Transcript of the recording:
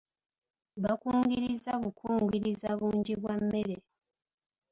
Baakungiriza bukungiriza bungi bwa mmere.